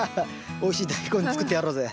おいしいダイコン作ってやろうぜ。